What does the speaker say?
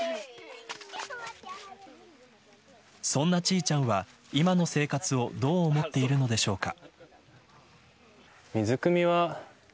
そんなチーチャンは今の生活をどう思っているのでしょうか。